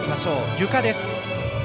ゆかです。